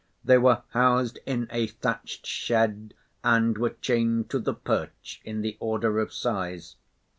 They were housed in a thatched shed and were chained to the perch in the order of size.